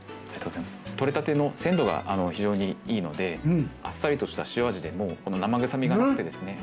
獲れたての鮮度が非常にいいのであっさりとした塩味でもう生臭みがなくてですね。